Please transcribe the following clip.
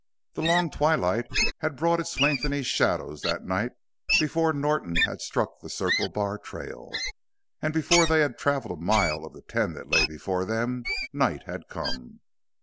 The long twilight had brought its lengthening shadows that night before Norton had struck the Circle Bar trail, and before they had traveled a mile of the ten that lay before them night had come.